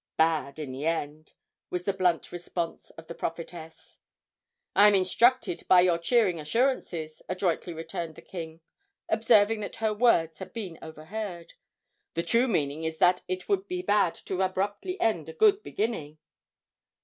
bad in the end!" was the blunt response of the prophetess. "I am instructed by your cheering assurances," adroitly returned the king, observing that her words had been overheard. "The true meaning is that it would be bad to abruptly end a good beginning."